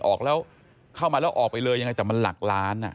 ออกแล้วเข้ามาแล้วออกไปเลยยังไงแต่มันหลักล้าน